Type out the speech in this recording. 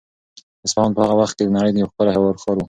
اصفهان په هغه وخت کې د نړۍ یو ښکلی ښار و.